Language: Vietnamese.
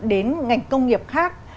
đến ngành công nghiệp khác